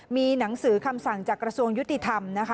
มีหนังสือคำสั่งจากกระทรวงยุติธรรมนะคะ